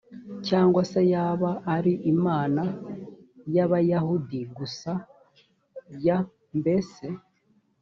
cyangwa se yaba ari imana y abayahudi gusa y mbese